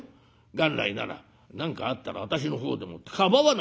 元来なら何かあったら私の方でもってかばわなきゃいけない。